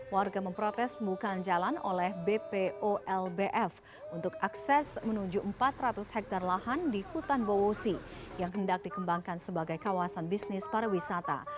warga memprotes pembukaan jalan oleh bpo lbf untuk akses menuju empat ratus hektare lahan di hutan bowosi yang hendak dikembangkan sebagai kawasan bisnis pariwisata